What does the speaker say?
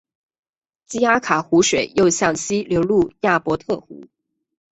基阿卡湖水又向西流入亚伯特湖。